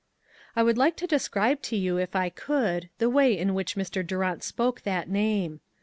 I would like to describe to you if I could, the way in which Mr. Durant spoke that name.